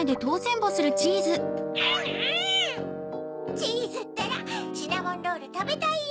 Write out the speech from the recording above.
チーズったら「シナモンロールたべたいよ！」